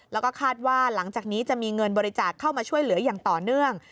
แล้วก็คาดว่าหลังจากนี้จะมีเงินบริจาคเข้ามาช่วยเหลืออย่างต่อเนื่อง